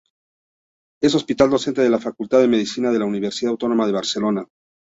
Es hospital docente de la Facultad de Medicina de la Universidad Autónoma de Barcelona.